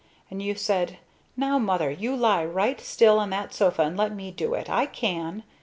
And you said, 'Now Mother you lie right still on that sofa and let me do it! I can!'